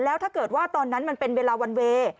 แล้วถ้าเกิดว่าตอนนั้นมันเป็นเวลาวันเวย์